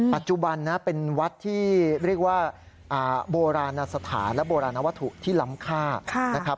ปัจจุบันนะเป็นวัดที่เรียกว่าโบราณสถานและโบราณวัตถุที่ล้ำค่านะครับ